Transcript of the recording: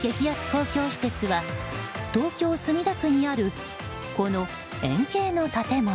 公共施設は東京・墨田区にあるこの円形の建物。